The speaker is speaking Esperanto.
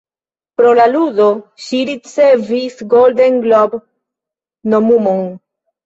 Pro la ludo, ŝi ricevis Golden Globe-nomumon.